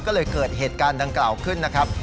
ก็เลยเกิดเหตุการณ์ดังกล่าวขึ้นนะครับ